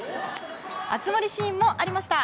熱盛シーンもありました。